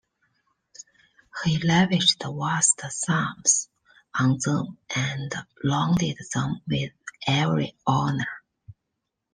He lavished vast sums on them and lauded them with every honour.